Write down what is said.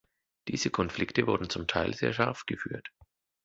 Diese Konflikte wurden zum Teil sehr scharf geführt.